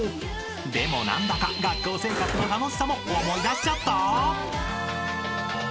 ［でも何だか学校生活の楽しさも思い出しちゃった？］